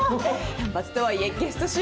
単発とはいえゲスト主役。